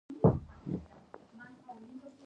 هغې وویل: خواهش کوم، ژر تر ژره ولاړ شه.